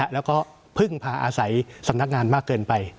แล้วก็พึ่งพาอาศัยสำนักงานมากเกินไป